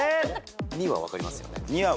２は分かりますよね？